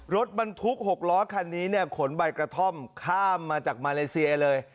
รถบรรทุก๖ล้อคันนี้เนี่ยขนใบกระท่อมข้ามมาจากมาเลเซียเลย